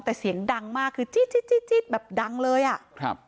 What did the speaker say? แต่เสียงดังมากคือจี๊ดจี๊ดจี๊ดแบบดังเลยอ่ะครับ